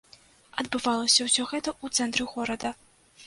Адбывалася ўсё гэта ў цэнтры горада.